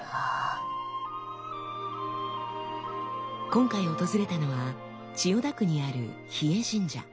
今回訪れたのは千代田区にある日枝神社。